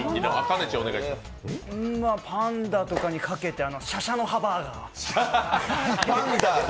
パンダとかにかけて、しゃしゃの葉バーガー。